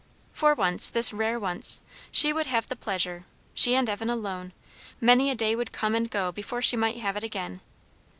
For once, this rare once, she would have the pleasure, she and Evan alone; many a day would come and go before she might have it again.